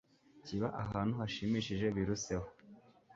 kiba ahantu hashimishije biruseho